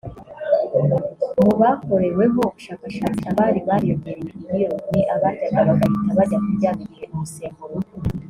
Mu bakoreweho ubushakashatsi abari bariyongereye ibiro ni abaryaga bagahita bajya kuryama igihe umusemburo ukora ibitotsi wabaga wazamutse